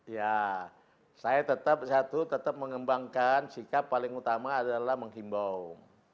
ya saya tetap satu tetap mengembangkan sikap paling utama adalah menghimbau